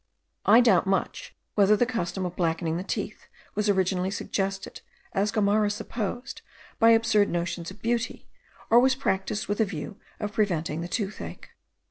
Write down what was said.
I doubt much whether the custom of blackening the teeth was originally suggested, as Gomara supposed, by absurd notions of beauty, or was practised with the view of preventing the toothache.